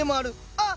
あっ！